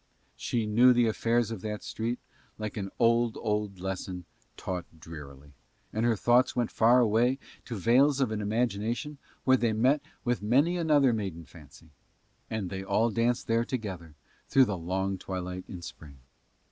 She knew the affairs of that street like an old, old lesson taught drearily, and her thoughts went far away to vales of an imagination where they met with many another maiden fancy, and they all danced there together through the long twilight in Spring.